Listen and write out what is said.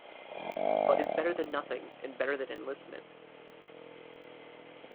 But it's better than nothing, and better than enlistment.